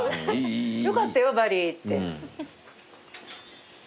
「よかったよバリ」って。